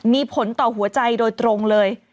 มีผลต่อหัวใจโดยตรงเลย